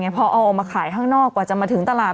พอเอามาขายข้างนอกกว่าจะมาถึงตลาด